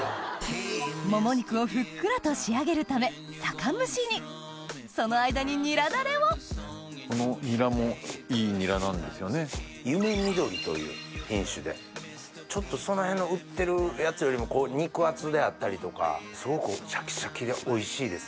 もも肉をふっくらと仕上げるため酒蒸しにその間にニラダレをこのニラもいいニラなんですよね。という品種でちょっとその辺の売ってるやつよりも肉厚であったりとかすごくシャキシャキでおいしいですね。